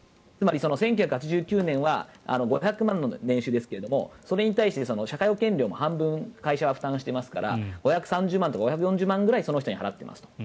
１９８９年は５００万の年収ですがそれに対して社会保険料も半分、会社は負担していますから２３０万、２４０万くらいその人に払っていますと。